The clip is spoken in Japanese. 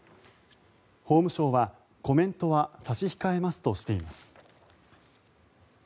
法務省は、コメントは差し控えますとしています。